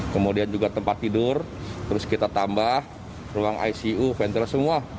kemudian juga tempat tidur terus kita tambah ruang icu ventila semua